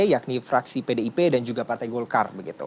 yakni fraksi pdip dan juga partai golkar